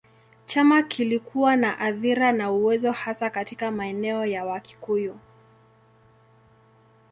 Chama kilikuwa na athira na uwezo hasa katika maeneo ya Wakikuyu.